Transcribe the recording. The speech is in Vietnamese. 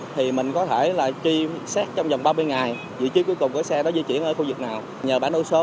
thì mình có thể là truy xét trong vòng ba mươi ngày vị trí cuối cùng của xe đó di chuyển ở khu vực nào